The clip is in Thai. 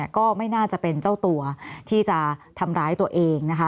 ก็ไม่น่าจะเป็นเจ้าตัวที่จะทำร้ายตัวเองนะคะ